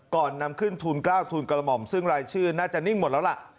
ก่อนนำขึ้นทุน๙ทุนกระหม่อมซึ่งรายชื่อน่าจะนิ่งหมดแล้วล่ะ